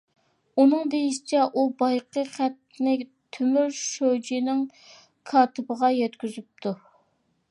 ئۇنىڭ دېيىشىچە، ئۇ بايىقى خەتنى تۆمۈر شۇجىنىڭ كاتىپىغا يەتكۈزۈپتۇ.